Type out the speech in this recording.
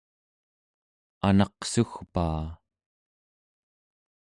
anaqsugpaa